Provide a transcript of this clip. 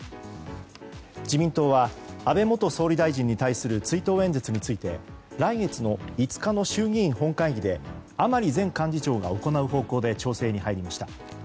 自民党は安倍元総理大臣に対する追悼演説について来月の５日の衆議院本会議で甘利前幹事長が行う方向で調整に入りました。